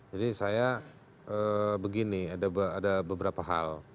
jadi saya begini ada beberapa hal